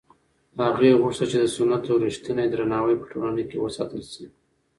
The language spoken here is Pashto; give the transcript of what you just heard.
هغې غوښتل چې د سنتو رښتینی درناوی په ټولنه کې وساتل شي.